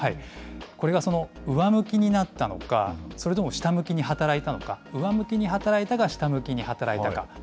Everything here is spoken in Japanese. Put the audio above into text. これがその上向きになったのか、それとも下向きに働いたのか、上向きに働いたか、下向きに働いたか。